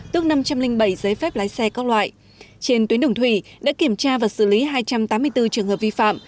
tức năm trăm linh bảy giấy phép lái xe các loại trên tuyến đường thủy đã kiểm tra và xử lý hai trăm tám mươi bốn trường hợp vi phạm